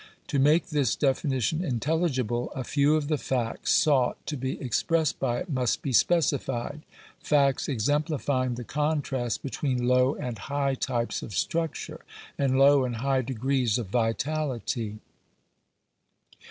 To make this definition intelli gible, a few of the facts sought to be expressed by it must be specified — facts exemplifying the contrast between low and high types of structure, and low and high degrees of vitality.